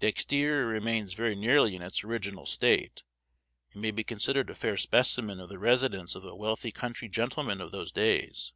The exterior remains very nearly in its original state, and may be considered a fair specimen of the residence of a wealthy country gentleman of those days.